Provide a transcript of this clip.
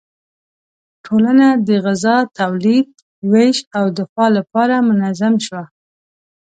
ټولنه د غذا تولید، ویش او دفاع لپاره منظم شوه.